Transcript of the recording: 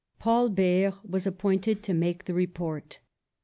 Paul Bert was appointed to make the report.